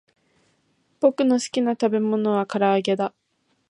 ぼくのすきなたべものはからあげだ